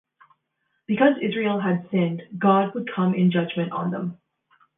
Because Israel had sinned, God would come in judgement on them.